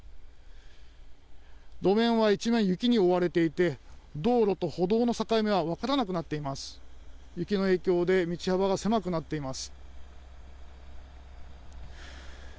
路面は一面、雪に覆われていて道路と歩道の境目が分からなくなっています。